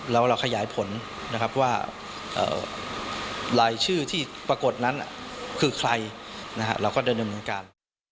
แล้วเราขยายผลว่าลายชื่อที่ปรากฏนั้นคือใครเราก็เดินด้วยเหมือนกัน